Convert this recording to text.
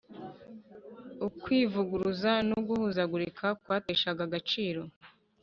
ukwivuguruza n'uguhuzagurika kwateshaga agaciro